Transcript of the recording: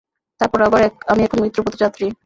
তারপর আবার, আমি এখন মৃত্যুপথযাত্রী।